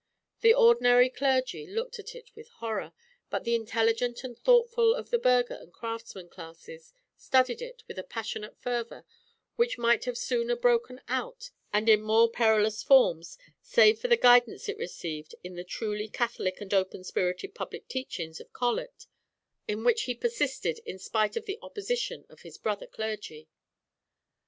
The ordinary clergy looked at it with horror, but the intelligent and thoughtful of the burgher and craftsman classes studied it with a passionate fervour which might have sooner broken out and in more perilous forms save for the guidance it received in the truly Catholic and open spirited public teachings of Colet, in which he persisted in spite of the opposition of his brother clergy.